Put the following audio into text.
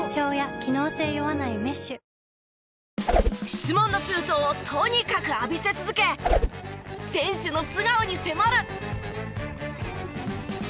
質問のシュートをとにかく浴びせ続け選手の素顔に迫る！